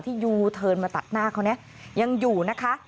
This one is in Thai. ยูเทิร์นมาตัดหน้าเขาเนี่ยยังอยู่นะคะ